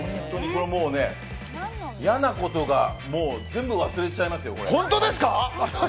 これもうね、嫌なこと全部忘れちゃいますよ。